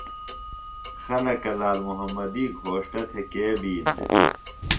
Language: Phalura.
خلکہ لال محمدی گھوݜٹہ تھےۡ کے بِین دےۡ؟